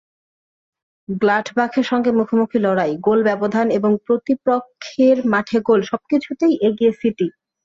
গ্লাডবাখের সঙ্গে মুখোমুখি লড়াই, গোল ব্যবধান এবং প্রতিপক্ষের মাঠে গোল—সবকিছুতেই এগিয়ে সিটি।